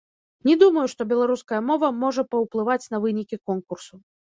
Не думаю, што беларуская мова можа паўплываць на вынікі конкурсу.